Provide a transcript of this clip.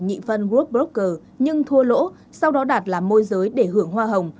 nhị phân world broker nhưng thua lỗ sau đó đạt làm môi giới để hưởng hoa hồng